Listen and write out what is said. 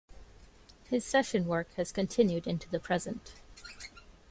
His session work has continued into the present.